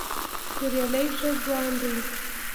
توریالی ښه ځوان دی.